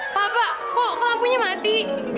pak pak kok lampunya mati